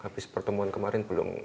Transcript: habis pertemuan kemarin belum